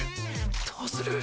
どうする！？